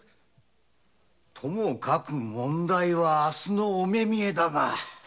ともかく問題は明日のお目見得だが。